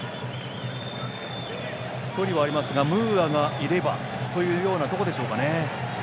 距離はありますがムーアがいればというところでしょうか。